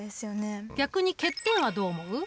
逆に欠点はどう思う？